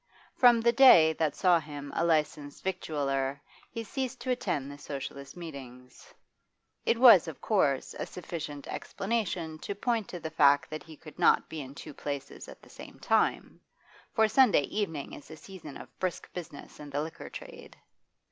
From the day that saw him a licensed victualler he ceased to attend the Socialist meetings; it was, of course, a sufficient explanation to point to the fact that he could not be in two places at the same time, for Sunday evening is a season of brisk business in the liquor trade.